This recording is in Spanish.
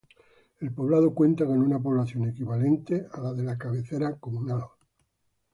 El poblado cuenta con una población equivalente a la de la cabecera comunal.